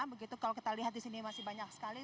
begitu kalau kita lihat disini masih banyak sekali